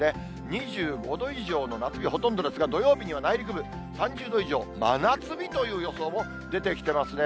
２５度以上の夏日ほとんどですが、土曜日には内陸部、３０度以上、真夏日という予想も出てきてますね。